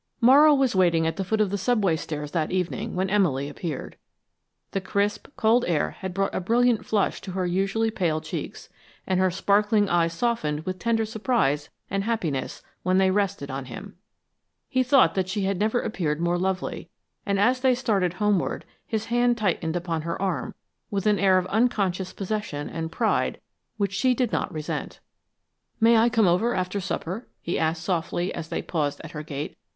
Morrow was waiting at the foot of the subway stairs that evening when Emily appeared. The crisp, cold air had brought a brilliant flush to her usually pale cheeks, and her sparkling eyes softened with tender surprise and happiness when they rested on him. He thought that she had never appeared more lovely, and as they started homeward his hand tightened upon her arm with an air of unconscious possession and pride which she did not resent. "May I come over after supper?" he asked, softly, as they paused at her gate.